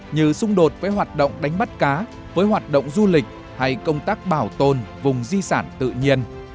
như xung đột với hoạt động đánh bắt cá với hoạt động du lịch hay công tác bảo tồn vùng di sản tự nhiên